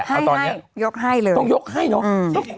ให้เยอะให้เลยต้องยกให้เนอะ